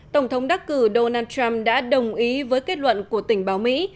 tổng thống đắc cử donald trump đã đồng ý với kết luận của tình báo mỹ